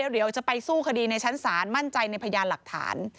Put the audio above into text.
เดี๋ยวจะไปสู้คดีในชั้นศาลมั่นใจในพยานหลักฐาน